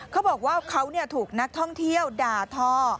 เขาบอกว่าเขาถูกนักท่องเที่ยวด่าทอ